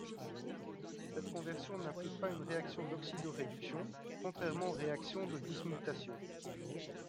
Cette conversion n'implique pas une réaction d'oxydoréduction, contrairement aux réaction de dismutation.